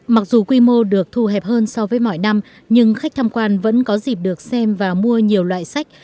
mặc dù quy mô được thu hẹp hơn so với mọi năm nhưng khách tham quan vẫn có dịp được xem và mua nhiều loại sách